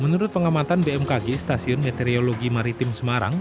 menurut pengamatan bmkg stasiun meteorologi maritim semarang